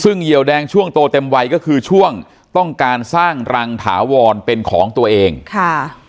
ซึ่งเหยียวแดงช่วงโตเต็มวัยก็คือช่วงต้องการสร้างรังถาวรเป็นของตัวเองค่ะ